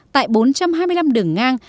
tại bốn trăm hai mươi năm đường ngang